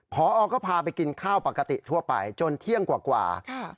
พอก็พาไปกินข้าวปกติทั่วไปจนเที่ยงกว่า